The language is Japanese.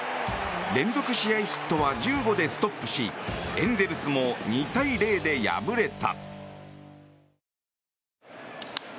連続試合ヒットは１５でストップしエンゼルスも２対０で敗れた。